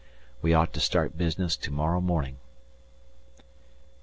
ETIENNE] We ought to start business to morrow morning.